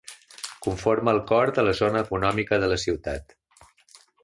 Conforma el cor de la zona econòmica de la ciutat.